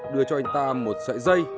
đưa cho anh ta một sợi dây